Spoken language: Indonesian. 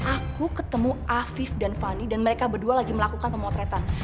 aku ketemu afif dan fani dan mereka berdua lagi melakukan pemotretan